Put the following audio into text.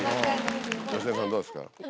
芳根さんどうですか？